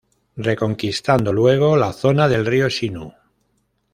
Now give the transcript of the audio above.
Reconquistando luego la zona del Río Sinú.